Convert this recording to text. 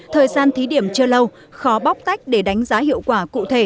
thời gian thí điểm chưa lâu khó bóc tách để đánh giá hiệu quả cụ thể